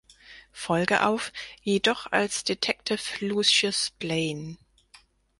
Folge auf, jedoch als "Detective Lucius Blaine".